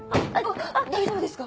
大丈夫ですか？